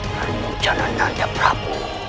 dan menjana nanda prabu